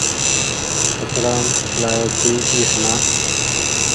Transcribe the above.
ڪترآم لآيو ڇي اي سوڻآ ۔